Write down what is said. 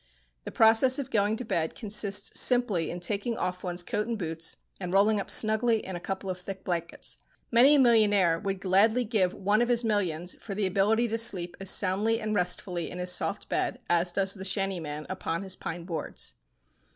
The process of going to bed consists simply in taking off one's coat and boots, and rolling up snugly in a couple of thick blankets. Many a millionaire would gladly give one of his millions for the ability to sleep as soundly and restfully in his soft bed as does the shantyman upon his pine boards.